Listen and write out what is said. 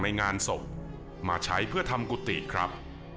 ในงานศพมาใช้เพื่อทำกุฏิครับ